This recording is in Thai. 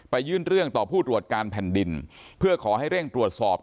ยื่นเรื่องต่อผู้ตรวจการแผ่นดินเพื่อขอให้เร่งตรวจสอบ